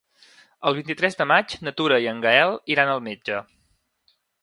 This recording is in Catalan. El vint-i-tres de maig na Tura i en Gaël iran al metge.